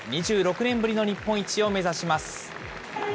２６年ぶりの日本一を目指します。